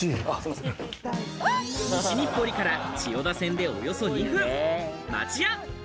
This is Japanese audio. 西日暮里から千代田線でおよそ２分、町屋。